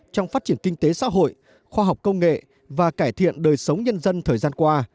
trong phát triển kinh tế xã hội khoa học công nghệ và cải thiện đời sống nhân dân thời gian qua